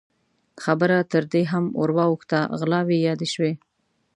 خبره تر دې هم ور واوښته، غلاوې يادې شوې.